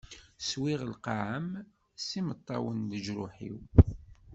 Swiɣ lqaɛa-m s yimeṭṭawen n leǧruḥ-iw.